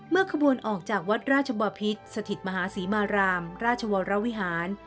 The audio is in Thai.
เมื่อขบวนออกจากวัดราชบอบพิษฐิตมหาศรีมารามราชวรรณ์วิหาร